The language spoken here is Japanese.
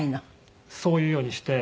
そういうようにして。